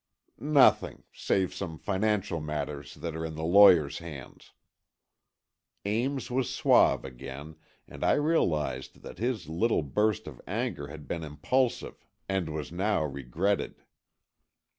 "Nothing, save some financial matters that are in the lawyers' hands." Ames was suave again, and I realized that his little burst of anger had been impulsive and was now regretted.